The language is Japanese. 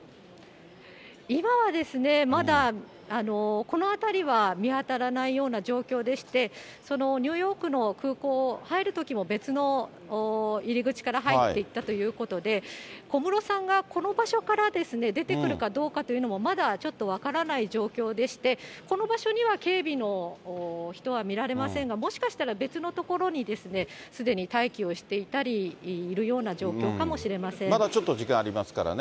今はですね、まだこの辺りは見当たらないような状況でして、そのニューヨークの空港、入るときも別の入り口から入っていったということで、小室さんがこの場所から出てくるかどうかというのもまだちょっと分からない状況でして、この場所には警備の人は見られませんが、もしかしたら別の所にすでに待機をしていたり、いるような状況かまだちょっと時間ありますからね。